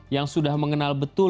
yang sudah mengenal betul